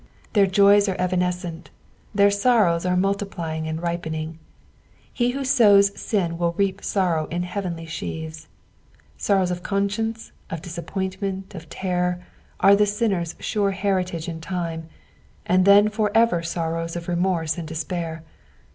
Their joys are evanescent, their sorrows are multiplying and ripening. He who sows sin will reap sorrow in heavy sheaves. Sorrows of conscience, of disappointment, of terror, are the sinner's sure heritage in time, and then for ever sorrows of remorse and despair.